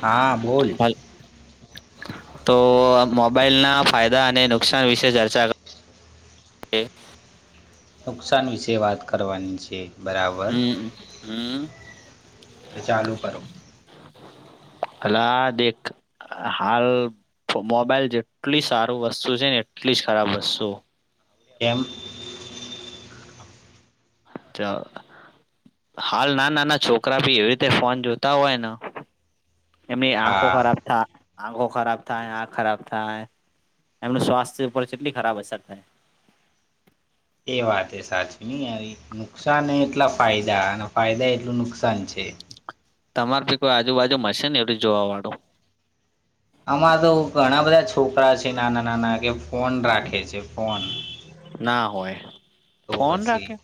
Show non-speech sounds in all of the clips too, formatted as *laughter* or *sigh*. હા, બોલ. હાલ તો મોબાઈલના ફાયદા અને નુકસાન વિશે ચર્ચા એ નુકસાન વિશે વાત કરવાની છે. બરાબર હમ્મ, હમ્મ. એ ચાલુ કરો. અલા દેખ. અહ હાલ મોબાઈલ જેટલી સારું વસ્તુ છે ને એટલી જ ખરાબ વસ્તુ કેમ? ચ હાલ ના નાના છોકરા ભી એવી રીતે ફોન જોતા હોય ના એની આંખો હા ખરાબ થાય આંખો ખરાબ થાય આંખ ખરાબ થાય એમનું સ્વાસ્થ્ય ઉપર જેટલી ખરાબ અસર થાય. એ વાત એ સાચી નહી આવી. નુકસાન એટલા ફાયદા અને ફાયદા એટલું નુકસાન છે. તમાર ભી કોઈ આજુબાજુ મશે ને એવી જોવા વાળો. આમાં તો ઘણા બધા છોકરા છે નાના નાના કે ફોન રાખે છે ફોન. ના હોય. તો ફોન પછી રાખે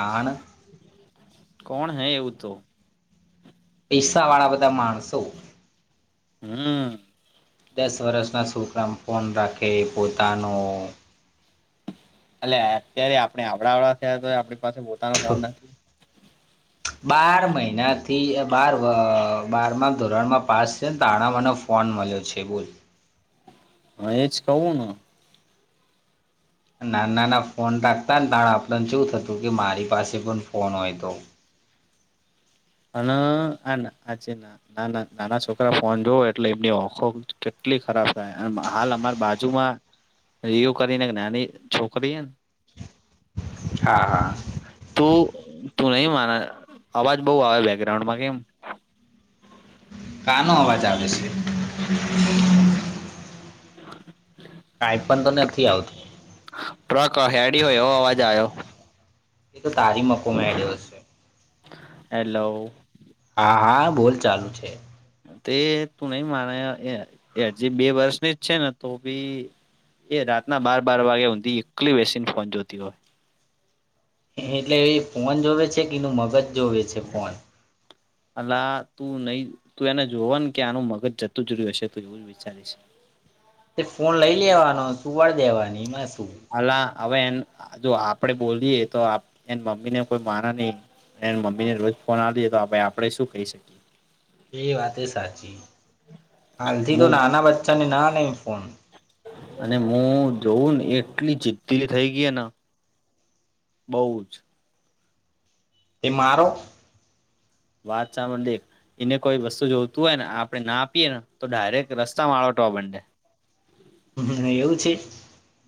આપણે કોણ હૈ એવું તો. પૈસા વાળા બધા માણસો. હમ્મ. દસ વર્ષના છોકરા ઓ ફોન રાખે પોતાનો એલે અત્યારે આપણે આપડા વાડા થયા તો આપણી પાસે પોતાનો ફોન નથી. બાર મહિના થી બાર બારમાં ધોરણમાં પાસ છે ને તારણા મને ફોન મળ્યો છે બોલ. હા એજ કવ ન. નાના નાના ફોન રાાકતા ને ત આપણને શું થતું કે મારી પાસે પણ ફોન હોય તો. હ ના આ છે ના ના ના નાના છોકરા ફોન જો એટલે એમની ઓખો કેટલી ખરાબ થાય હાલ અમારે બાજુ બાજુમાં રિયુ કરીને નાની છોકરી હા હા. તું તું નહી માના અવાજ બઉ આવે બેકગ્રાઉન્ડમાં કેમ. કાનો અવાજ આવે છે? કાઈ પણ તો નથી આવતું. ટ્રક હેડી હોય એવ અવાજ આવ્યો. ચાર્જિંગ માં ફોન હેડયો છે. હેલો હા હા બોલ ચાલુ છે. તે તું નહી માને બે વર્ષની જ છે ને તો ભી એ રાતના બાર બાર વાગે હુંધી એકલી વસીને ફોન જોતી હોય. એટલે એ ફોન જોવે છે કે એનું મગજ જોવે છે ફોન. અલા તું નહી તું એને જોવ ને કે આનું મગજ જતું જ્યું હશે ત એવું. વિચારીશ. તે ફોન લઈ લેવાનો શુંવા દેવાની મને શું. હાલા હવે એ જો આપડે બોલીએ તો એ મમ્મી ને કોઈ માના નહી એની મમ્મી જ ફોન આપ દેએ તો આપ આપડે શું કહી શકીએ. એ વાત સાચી હાલથી મુ તો નાના બચ્ચાને ના લને ફોન અને હું જોઉં ને એટલી જિદ્દીલી થઈ ગઈ ને બહુ જ. એ મારો વાત ચામડે *unintelligible* એને કોઈ વસ્તુ જોતું હોય ને આપડણે ના આપીએ ને તો ડાયરેક્ટ રસ્તા મા આળટવા માંડે. હમ્મ એવું છે.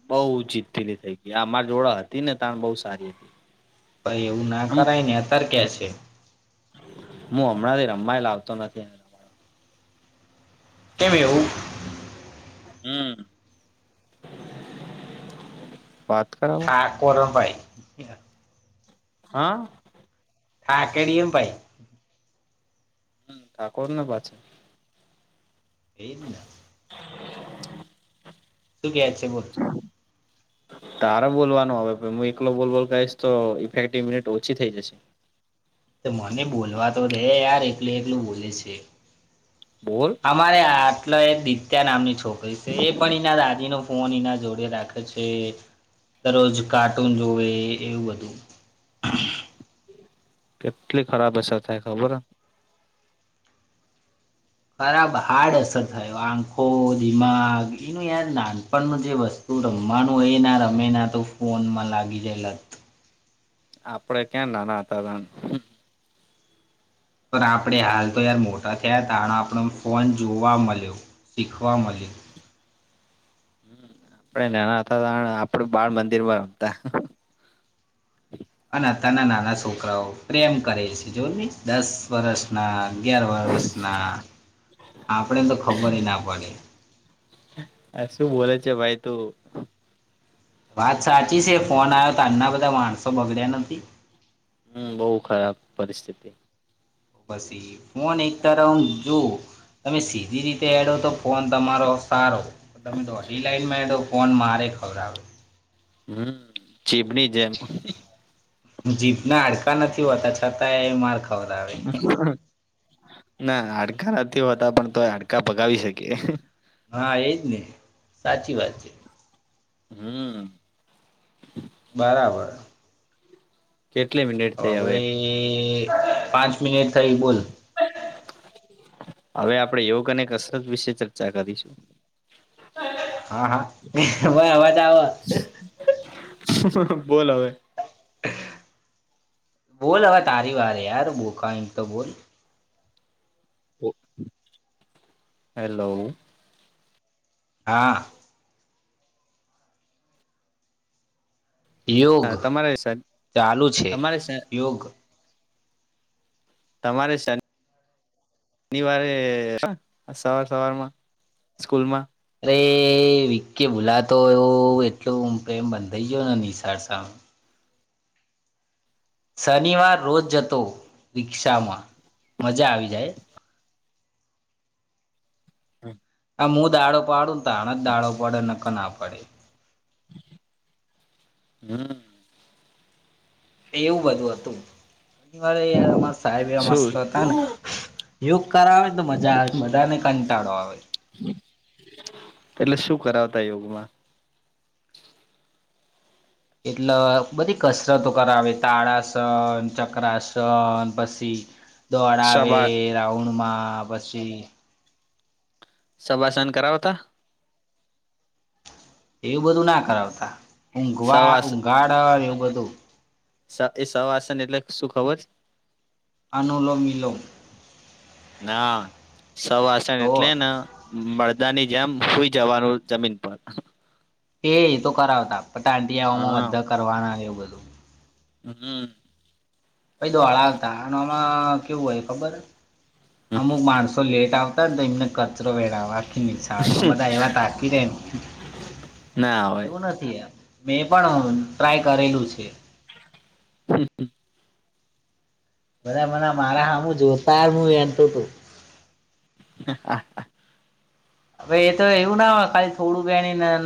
બહુ જીદથી ની થઈ ગઈ આ અમારી જોડા હતી ને તણ બહુ સારી હતી. પાઈ એવું ના આમ કરાય ને અતર ક્યા છે. હું હમણાંથી રમમાય લાવતો નથી. કેમ એવું? હમ્મ વાત કર. આકોરમ ભાઈ. હા. હા કેડી એમ ભાઈ. ઠાકોર ના પાછડ. એજ ને *unintelligible* શું કે છે બોલ. તારા બોલવાનું હ હું એકલો બોલ બોલ કહીશ તો ઇફેક્ટિવ મિનિટ ઓછી થઈ જશે. તો મને બોલવા તો રે યાર એકલું એકલું બોલે છે. બોલ. અમારે આટલો એ દિત્યા નામની છોકરી છે એ પણ એના દાદી નો ફોન એના જોડે રાખે. પછ દરરોજ કાર્ટૂન જોવે એવું બધું. કેટલી ખરાબ હસર થાય ખબર. બરાબ હાર્ડ અસર થાય આંખો દિમાગ એનું યાર નાનપણનું જે વસ્તુ રમવાનું હોય એ ના રમે ના તો ફોનમાં લાગી જાય લતું. આપડે ક્યાં નાના હતા તા હમ. પર આપણે હાલ તો યાર મોટા થયા હતા આપણો ફોન જોવા મળ્યો શીખવા મળ્યો. આપણે નાના હતા આપડું બાળ મંદિરમાં રમતા. અના તના નાના છોકરાઓ પ્રેમ કરે છે જો ને દસ વરષ ના અગિયાર વર્ષના આપણે તો ખબર ના પડે હ શું બોલે છે ભાઈ તુ. વાત સાચી છે ફોન આવ્યો તો આના બધા માણસો બગડ્યા નથી. હમ બહુ ખરાબ પરિસ્થિતિ પછી ફોન એક તરફ હ જોવ. તમે સીધી રીતે એડો તો ફોન તમારો સારો તમેોઢી લાઈનમાં એડો ફોન મારેે ખવડાવે. હમ ચીબની જેમ જીતના હડકા નથી હોતા છતાં એ માગ ના હાડકા નથી હોતા પણ તો હાડકા પગાવી શકે. હા એજ ને સાચી વાત છે. હમ. બરાબર. કેટલી મિનિટ હ થઈ હવે ભાઈ પાંચ મિનિટ થઈ બોલ. હ *unintelligible* હવે આપડણે યોગ અને કસરત વિશે ચર્ચા કરીશું. હા હા અવાજ આવે. બોલ હવે. બોલ હવે તારી વારે યાર બોક એમ તો બોલ. હેલો. હા. યોગ હા તમારે ચાલુ છે તમારે યોગ તમારે શન શનીવારે સવાર સવારમાં સ્કૂલમાં. અરે વિકી ભૂલાતો એ એટલું પ્રેમ બંધાઈ ગયો ને નિશળ સામે શનિવાર રોજ જતો રિક્ષામાં મજા આવી જાય. હા. આમુું દાડો પાડું. ને તાણ જ દાડો પડે નક ના પડે હમ. એવું બધું હતું અમારે અમાર સાહેબ મસ્ત શું હતા ને યોગ કરાવ આવે તો મજા આવે બધાને કંટાળો આવે. હમ્ એટલે શું કરાવતા યોગમાં. એટલે બધી કસરતો કરાવે. તાળાસન ચક્રાસન પછી દોડાવે. શબા ગ્રાઉન્ડ માં પછી સવાસન કરાવતા. એવું બધું ના કરાવતા ઊંઘવા સવાસ ઊંઘાડર એવું બધું. *unintelligible* સવાસન એટલે શું ખબર છે? અનુલોમમીલો ના સવાસન તો એટલે ને. મળદા ની જેમ સુઈ જવાનું જમીન પર. એ એ તો કરાવતા પણ ટાંટીયા આમાં હા અધર કરવા ના એવું બધું. હમ એ દોળાવતા આ આમાં કેવું હોય ખબર? અમુક માણસો લેટ આવતાને તો એમને કચરો વેળાવતા *unintelligible* બધા એવા તાકી રહે. ના હોય એવું નથી મેં પણ ટ્રાય કરેલું છે. *unintelligible* બધા માણા મારા હમુ જો *unintelligible* હ હા હવે એ તો એવું ના હોય ખાલી થોડું વેણીને *unintelligible* *unintelligible*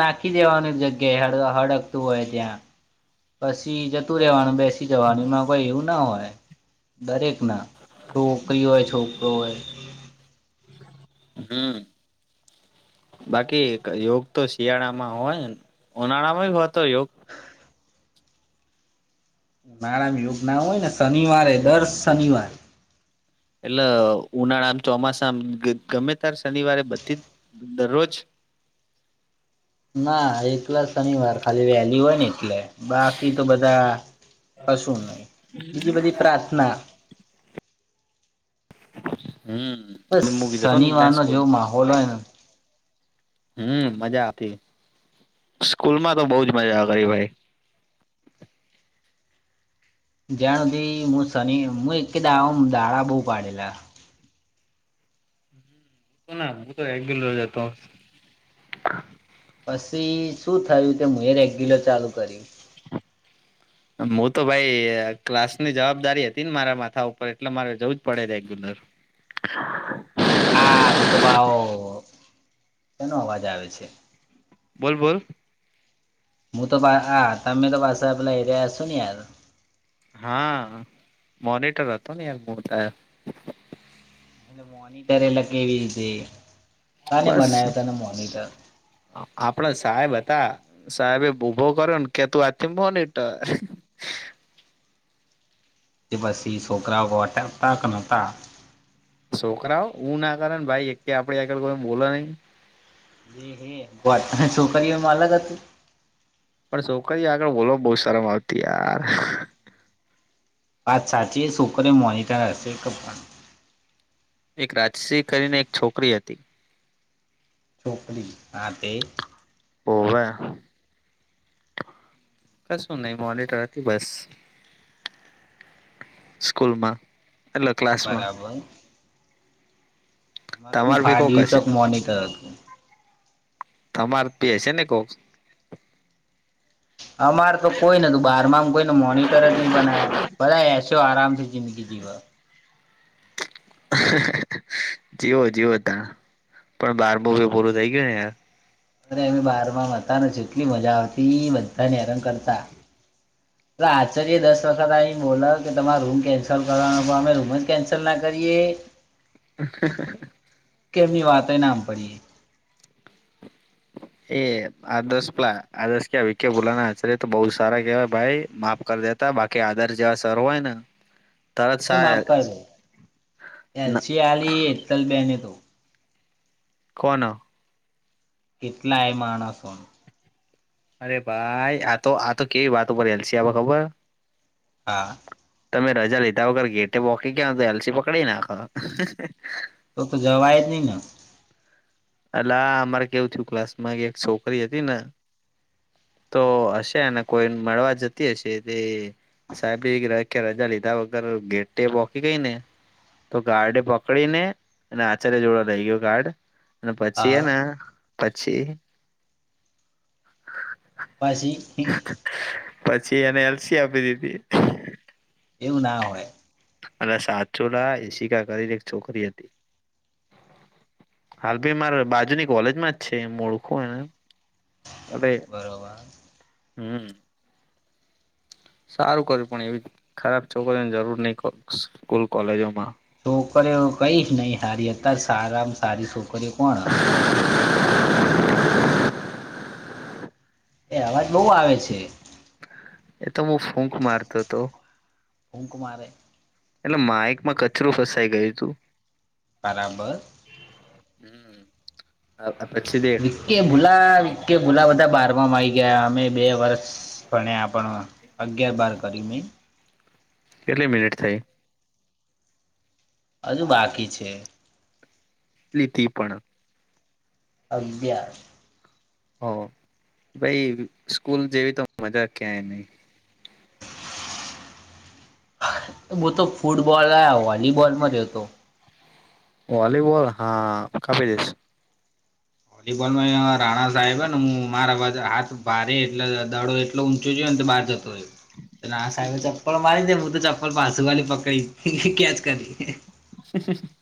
હળગતું હોય ત્યાં પછી જતું રહેેવાનું બેસી. *unintelligible* જવાનીમાં કોઈ એવું ના હોય દરેક ના. છોકરી હોય છોકરો હોય. હમ બાકી યોગ તો શિયાળા માં હોય ઉનાળા માં હોય તો યોગ. *unintelligible* હોય ને શનિવારે દર શનિવાર. એટલે ઉનાળા આમ ચોમાસામ *unintelligible* શનિવારે બધી દરરોજ. ના *inaudible* એટલા શનિવાર ખાલી વેલી હોય ને એટલે બાકી તો બધા કશું નહી. બીજી બધી પ્રાર્થના. હમ બસ *unintelligible* ત્યાં શનિવારનો સ્કૂલ જેવો માહોલ હોય ને હમ મજા આવતી સ્કૂલ માં તો બહુજ મજા કરી ભાઈ. જ્યાણ સુધથી હું શનિ હ એક કે દા દાડા બહુ પાડેલા. *inaudible* *inaudible* પછી શું થયું કે મે રેગ્યુલર ચાલુ કર્યું. હું તો ભાઈ ક્લાસ ની જવાબદારી હતી ને મારા માથા ઉપર એટલે મારે જવું જ પડે રેગ્યુલર. હા તું તો ભાવ કેનો અવાજ આવે છે? બોલ બોલ. મું તો બા આ તમે તો *inaudible* હા મોનિટર હતો નેયાર મો એટલે મોનિટર એટલે કેવી રીતે કને બનાવ્યો તને મોનિટર? આપણા સાહેબ હતા. સાહેબ એ ઉભો કર્યો ને કે તું આજથી મોનીટર. *unintelligible* છોકરાઓ હું ના કરેને ભાઈ એક આપે આગળ કોઈ બોલો નહી. *inaudible* પણ છોકરી આગળ બોલ બહુ શરમ આવતી યાર. વાત સાચી *inaudible* મોનિટર હશે. *inaudible* એક રાજશિહ કરીને એક છોકરી હતી. છોકરી આતે હોવે. કશું નહી‌ મોનીટર હતી બસ સ્કૂલમાં. એટલે ક્લાસમાં બરાબર. મારે તું તમાર ભી ફાયર કોક ડીયુ હશે ચોક મોનિટર હતું તમાર પેશે હેને કોક અમાર તો કોઈ ન તું બાર માંમ કોઈને મોનિટર જ નહી બનાયાન આરામથી જીંદગી જીવ જીવો જીવો તાણ પણ બારમુંભી પૂરું થઈ ગયું ને યાર અરે અમે બાર માં હતા જેટલી મજા આવતી બધાને હેરાન કરતા આચાર્ય દસ વખત આઇ બોલાવ કે તમારે રૂમ કેન્સલ કરવાનો અમે રૂમ જ કૅન્સલ ના કરીએ હ કેમની વાત ના પડીએ *inaudible* એ આદર્શ પલા આદર્શ કે વિકે ભોલાના આચૅરય તો બહુ સારા કેહેવાય ભાઈ માપ કર દેતા બાકી આદર જેવા સર હોય ને તરત તું સા માફ કર એલસી આલી હેતલ બેહેને તો કોણ કેટલા એ માણસોવ અરે ભાઈ આ તો આ તો કેવી વાત ઉપર એલસી આપે ખબર હા તમે રજા લીધા વગર ગેટે બોકી ગ્યા તો એલસી પકડીને આખ તો તો જવાય જ નહી ને અલા અમારે કેવું થું ક્લાસ માં એક છોકરી હતી ને તો હશે અને કોઈ મળવા જતી હશે તે સાહેબ રજા લીધા વગર ગેટે બોકી ગઈ ને તો ગાર્ડે પકડીને અને આચાર્ય જોડો લઈ ગયો ગાર્ડ અને પછી હા એને પછી પછી પછી એને એલસી આપી દીધી એવું ના હોય અને સાચો લા એશિકા કરીને એક છોકરી હતી હાલ ભાઈ મારે બાજુની કોલેજમાં જ છે મુ ઓળખું એને અરે બરોબર હમ સારું કર્યું પણ એવી ખરાબ છોકરીઓની જરૂર નહી સ્કૂલ કોલેજોમાં છોકરીઓ કઈ નહી હારી અતાર સારામાં સારી છોકરીઓ કોણ એ અવાજ બહુ આવે છે. એતો હું ફૂંક મારતો હતો, ફુક મારે, એટલે માઇકમાં કચરું ફસાઈ ગયું હતું. બરાબર હ પછીદે. વિકેભૂલા વિકેભૂલા બધા બારમાં મા આવી, અમે બે વર્ષ ભણા પણે અગિયાર બાર કરીમેં, કેટલી મિનિટ થઈ, હજુ બાકી છે, કેટલી છે ઈ મતલબ અગીયાર હવ ભાઈ સ્કૂલ જેવીતો મજા ક્યાંય નહીં ‌. મુ તો ફૂટબોલ આ વોલીબોલમાં રહેહતો. વોલીબોલ હા કાપી દ ઈશ. વોલીબોલ માં રાણાસાહેબ હુને હા મારા હાથ, ભારે એટલે દાડો એટલો ઊંચો ગીયો, તો બહાર જતો રહ્યો. તોના સાહેબે ચપ્પલ મારી દેહું તો ચપ્પલ પાસુ વાળલી પકડી કેચ કરી. *inaudible*